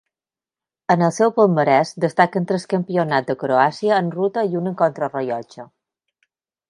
En el seu palmarès destaquen tres Campionats de Croàcia en ruta i un en contrarellotge.